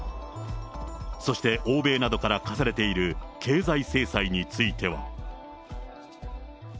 そして欧米などから科されている経済制裁については。